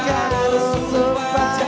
rambi ruang dia